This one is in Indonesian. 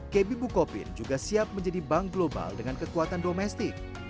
kb bukopin juga siap menjadi bank global dengan kekuatan domestik